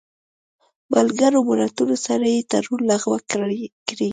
ملګرو ملتونو سره یې تړون لغوه کړی